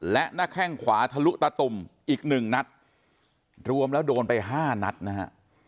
และหน้าแข้งขวาทะลุตะตุ่มอีกหนึ่งนัดรวมแล้วโดนไปห้านัดนะฮะ